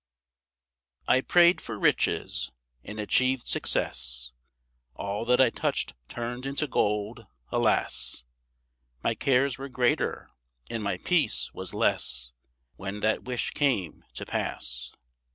I prayed for riches, and achieved success; All that I touched turned into gold. Alas! My cares were greater and my peace was less, When that wish came to pass.